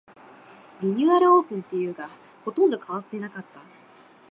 リニューアルオープンというが、ほとんど変わってなかった